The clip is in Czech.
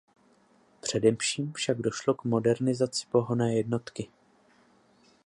Především však došlo k modernizaci pohonné jednotky.